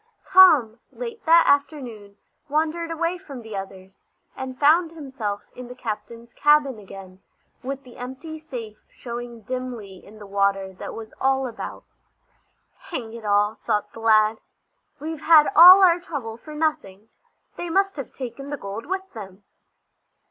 Tom, late that afternoon, wandered away from the others, and found himself in the captain's cabin again, with the empty safe showing dimly in the water that was all about. "Hang it all!" thought the lad, "we've had all our trouble for nothing! They must have taken the gold with them."